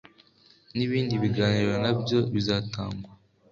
Ni ibindi biganiro na byo bizatangwa